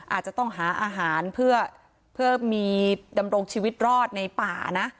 อาจจะต้องหาอาหารเพื่อมีดำรงชีวิตรอดในป่านะ